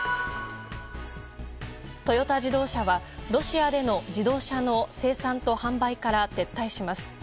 トヨタ自動車はロシアでの自動車の生産と販売から撤退します。